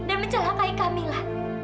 dan mencelakai kamila